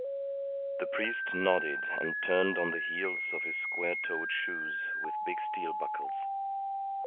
The priest nodded and turned on the heels of his square toed shoes with big steel buckles.